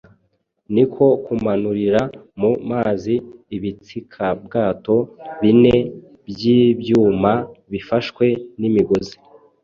niko kumanurira mu mazi ibitsikabwato bine by’ibyuma bifashwe n’imigozi,